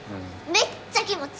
めっちゃ気持ちい！